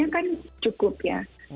pemukiman menjadi mendekat ke tempat tersebut